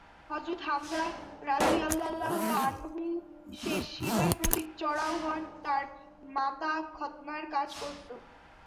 হযরত হামযা রাযিয়াল্লাহু আনহু সে সিবার প্রতি চড়াও হন তার মাতা খৎনার কাজ করত।